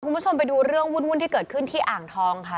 คุณผู้ชมไปดูเรื่องวุ่นที่เกิดขึ้นที่อ่างทองค่ะ